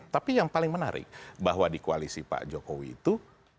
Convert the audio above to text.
tapi yang paling menarik bahwa di koalisi pak jokowi itu